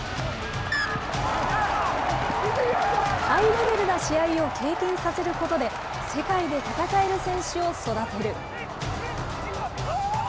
ハイレベルな試合を経験させることで、世界で戦える選手を育てる。